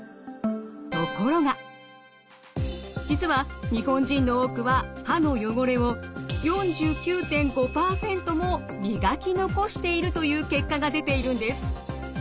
ところが実は日本人の多くは歯の汚れを４９．５％も磨き残しているという結果が出ているんです。